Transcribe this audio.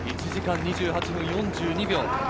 １時間２８分４２秒。